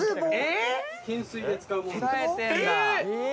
懸垂で使うもの。